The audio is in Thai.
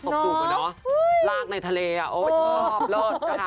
ตบจุบเหรอลากในทะเลโอ๊ยชอบเลิศค่ะ